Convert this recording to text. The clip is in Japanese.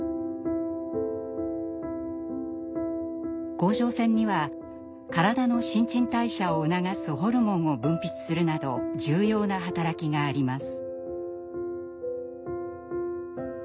甲状腺には体の新陳代謝を促すホルモンを分泌するなど重要な働きがあります。